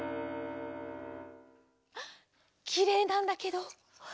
きれいなんだけど。